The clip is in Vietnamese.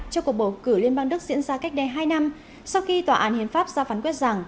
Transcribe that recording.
cho cuộc bầu cử liên bang đức diễn ra cách đây hai năm sau khi tòa án hiến pháp ra phán quyết rằng